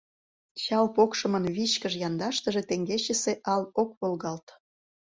Чал покшымын вичкыж яндаштыже Теҥгечысе ал ок волгалт.